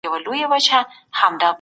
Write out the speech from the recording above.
تاسو به له فکري کمزوریو څخه خلاصون مومئ.